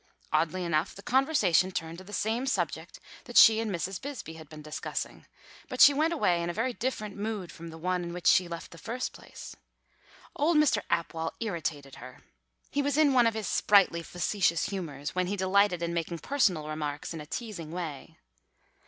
Oddly enough the conversation turned to the same subject that she and Mrs. Bisbee had been discussing, but she went away in a very different mood from the one in which she left the first place. Old Mr. Apwall irritated her. He was in one of his sprightly facetious humours, when he delighted in making personal remarks in a teasing way.